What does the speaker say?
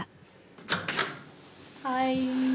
はい。